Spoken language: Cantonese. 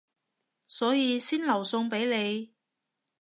所以先留餸畀你